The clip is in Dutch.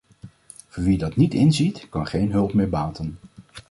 Voor wie dat niet inziet, kan geen hulp meer baten.